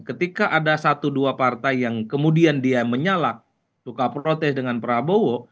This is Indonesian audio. ketika ada satu dua partai yang kemudian dia menyala suka protes dengan prabowo